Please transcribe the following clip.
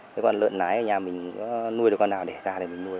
cái con lợn lái ở nhà mình nuôi được con nào đẻ ra thì mình nuôi